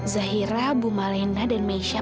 zairah bu malena dan meisha